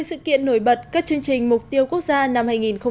một mươi sự kiện nổi bật các chương trình mục tiêu quốc gia năm hai nghìn một mươi tám